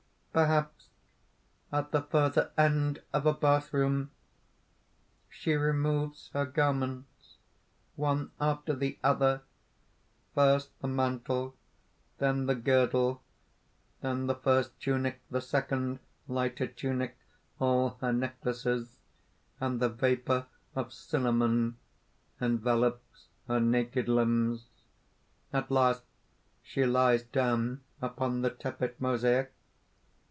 "Perhaps at the further end of a bathroom, she removes her garments one after the other: first the mantle, then the girdle, then the first tunic, the second lighter tunic, all her necklaces, and the vapour of cinnamon envelops her naked limbs. At last she lies down upon the tepid mosaic.